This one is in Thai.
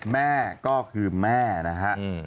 แม่ก็คือแม่นะครับ